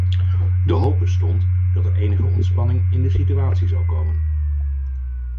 De hoop bestond dat er enige ontspanning in de situatie zou komen.